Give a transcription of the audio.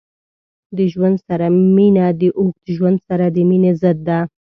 د ژوند سره مینه د اوږد ژوند سره د مینې ضد ده.